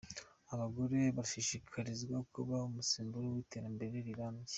Abagore barashishikarizwa kuba umusemburo w’iterambere rirambye